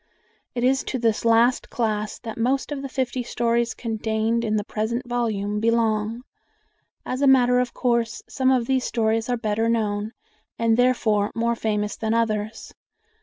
It is to this last class that most of the fifty stories contained in the present volume belong. As a matter of course, some of these stories are better known, and therefore more famous, than others.